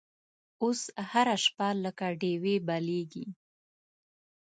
اوس هره شپه لکه ډیوې بلیږې